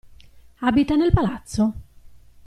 Abita nel palazzo?